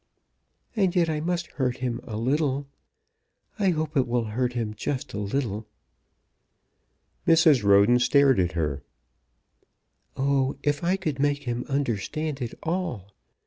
"And yet I must hurt him a little. I hope it will hurt him just a little." Mrs. Roden stared at her. "Oh, if I could make him understand it all!